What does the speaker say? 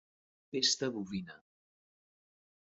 Pesta bovina